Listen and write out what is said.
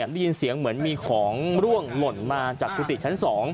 ได้ยินเสียงเหมือนมีของร่วงหล่นมาจากกุฏิชั้น๒